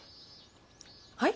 はい？